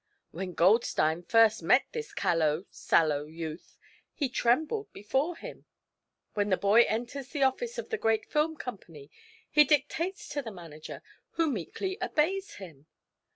When Goldstein first met this callow, sallow youth, he trembled before him. When the boy enters the office of the great film company he dictates to the manager, who meekly obeys him.